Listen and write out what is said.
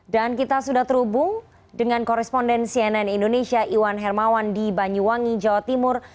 dan kita sudah terhubung dengan koresponden cnn indonesia iwan hermawan di banyuwangi jawa timur